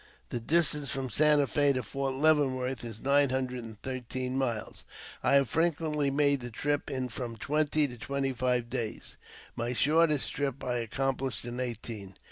The distance from Santa Fe to Fort Leavenworth is nine hundred and thirteen miles. I have frequently made the trip in from twenty to twenty five days ; my shortest trip I accomphshed in eighteen.